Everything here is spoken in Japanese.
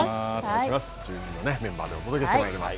１０人のメンバーでお届けしてまいります。